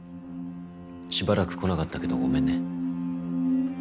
しばらく来なかったけどごめんね。